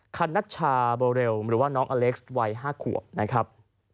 คันนัชชาโบเรลหรือว่าน้องอเล็กซ์วัย๕ขวบนะครับ